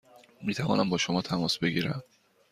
می توانم با شما تماس بگیرم؟